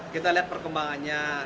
kita lihat perkembangannya